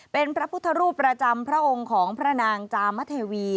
เป็นพระพุทธรูปประจำพระองค์ของพระนางจามเทวี